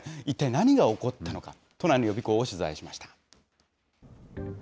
一体何が起こったのか、都内の予備校を取材しました。